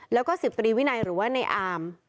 และก็ศิษย์ตรีวินัยในอาร์ม